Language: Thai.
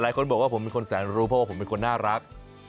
หลายคนบอกว่าผมเป็นคนแสนรู้เพราะว่าผมเป็นคนน่ารัก